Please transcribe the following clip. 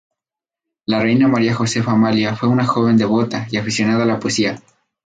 La reina María Josefa Amalia fue una joven devota y aficionada a la poesía.